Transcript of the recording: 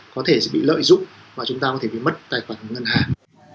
có thể sẽ bị lợi dụng và chúng ta có thể bị mất tài khoản ngân hàng